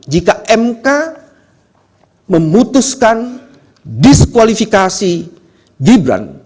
jika mk memutuskan diskualifikasi gibran